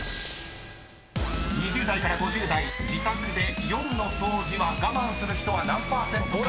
［２０代から５０代自宅で夜の掃除は我慢する人は何％か。